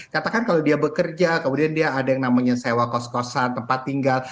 katakan kalau dia bekerja kemudian dia ada yang namanya sewa kos kosan tempat tinggal